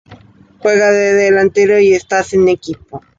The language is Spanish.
Juega de delantero y está sin equipo.